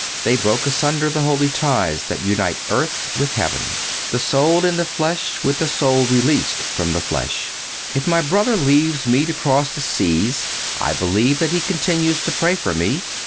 They broke asunder the holy ties that unite earth with heaven—the soul in the flesh with the soul released from the flesh. If my brother leaves me to cross the seas I believe that he continues to pray for me.